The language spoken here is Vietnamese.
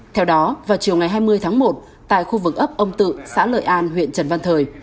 theo đó vào chiều ngày hai mươi tháng một tại khu vực ấp ông tự xã lợi an huyện trần văn thời